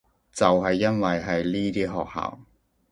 就係因為係呢啲學校